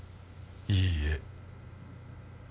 いいえ。